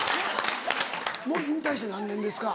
もう引退して何年ですか？